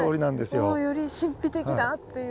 より神秘的だっていう。